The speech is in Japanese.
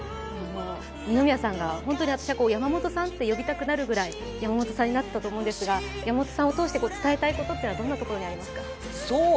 二宮さんが「山本さん」と呼びたくなるくらい山本さんになったと思うんですが山本さんを通して伝えたいことはどんなところにありますか。